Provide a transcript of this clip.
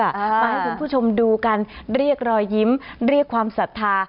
มาให้คุณผู้ชมดูกันเรียกรอยยิ้มเรียกความศรัทธา